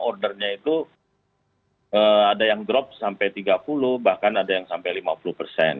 ordernya itu ada yang drop sampai tiga puluh bahkan ada yang sampai lima puluh persen